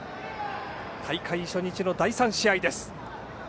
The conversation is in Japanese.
大会初日の第３試合です。